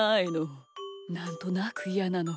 なんとなくイヤなの。